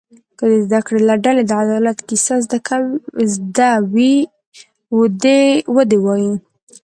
که د زده کوونکو له ډلې د عدالت کیسه زده وي و دې وایي.